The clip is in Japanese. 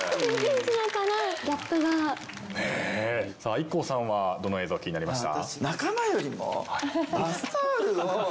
ＩＫＫＯさんはどの映像が気になりました？